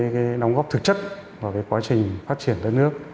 cái đóng góp thực chất vào cái quá trình phát triển đất nước